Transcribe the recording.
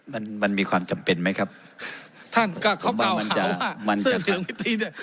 มันมันมีความจำเป็นไหมครับท่านก็เขาบอกว่าเสื้อเถียงวิธีเนี่ย